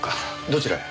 どちらへ？